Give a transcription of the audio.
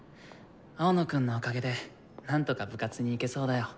青野くんのおかげでなんとか部活に行けそうだよ。